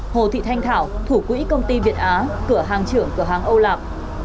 hồ thị thanh thảo thủ quỹ công ty việt á cửa hàng trưởng cửa hàng âu lạc